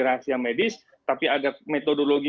rahasia medis tapi ada metodologi